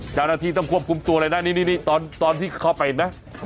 เจ้าหน้าที่ต้องควบคุมตัวเลยนะนี่ตอนที่เข้าไปเห็นไหม